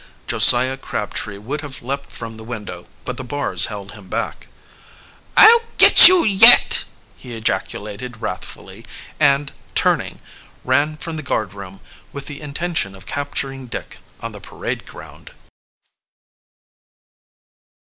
Josiah Crabtree would have leaped from the window, but the bars held him back. "I'll get you yet!" he ejaculated wrathfully, and, turning, ran from the guardroom, with the intention of capturing Dick on the parade ground.